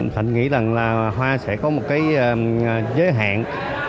thật sự là hoa lùng